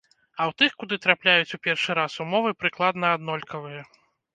А ў тых, куды трапляюць у першы раз, умовы прыкладна аднолькавыя.